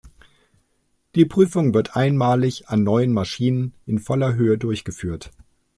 Die Prüfung wird einmalig an neuen Maschinen in voller Höhe durchgeführt.